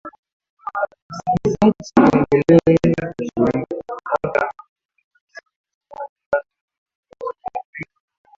Wasikilizaji waendelea kushiriki moja kwa moja hasa katika matangazo yetu ya Sauti ya Amerika